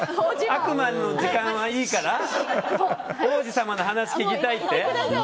悪魔の時間はいいから王子様の話を聞きたいって？